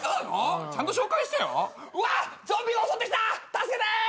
助けて！